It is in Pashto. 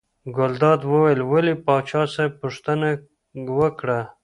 ګلداد وویل ولې پاچا صاحب پوښتنه یې وکړه.